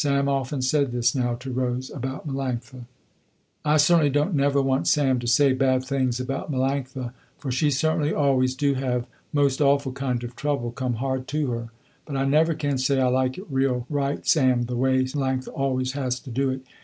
Sam often said this now to Rose about Melanctha. "I certainly don't never want Sam to say bad things about Melanctha, for she certainly always do have most awful kind of trouble come hard to her, but I never can say I like it real right Sam the way Melanctha always has to do it.